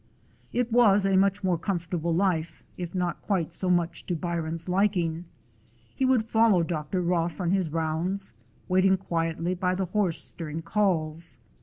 It was a much more comfortable life, if not quite so much to Byron's liking. He would follow Dr. Ross on his rounds, waiting quietly by the horse during calls.